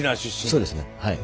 そうですねはい。